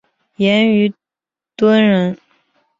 严虞敦人。